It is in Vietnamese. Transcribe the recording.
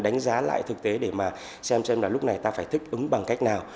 đánh giá lại thực tế để mà xem xem là lúc này ta phải thích ứng bằng cách nào